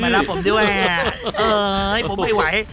มาแล้วผมด้วยเอ้ยผมไม่ไหว